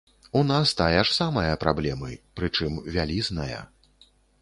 У нас тая ж самая праблемы, прычым вялізная.